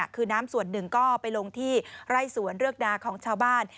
คือน้ำส่วนหนึ่งก็ไปลงที่ไร่สวนเรือกดาของชาวบ้าน